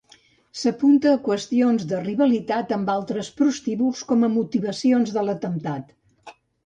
S'apunta a qüestions de rivalitat amb altres prostíbuls com a motivacions de l'atemptat.